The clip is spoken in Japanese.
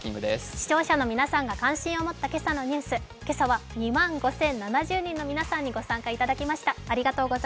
視聴者の皆さんが関心を持った今朝のニュース、今朝は２万５０７０人の皆さんにご参加いただきました。